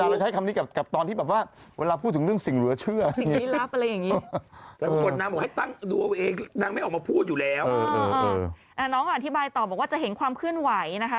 ไม่ได้ออกมาพูดอยู่แล้วอ๋อน้องอธิบายต่อบอกว่าจะเห็นความขึ้นไหวนะคะ